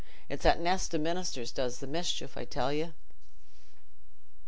It's that nest o' ministers does the mischief, I tell you.